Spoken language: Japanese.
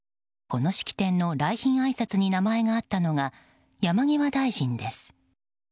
この式典の来賓あいさつに名前があったのが、山際大臣です。